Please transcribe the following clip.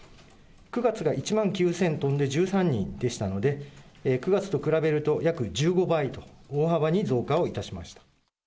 ９月が１万９０００とんで１３人でしたので、９月と比べると約１５倍と、大幅に増加いたしました。